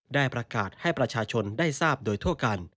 ได้ประกาศให้ประชาชนได้ทราบโดยทั่วกัน